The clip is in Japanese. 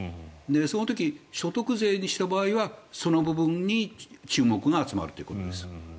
その時、所得税にした場合はその部分に注目が集まるということです。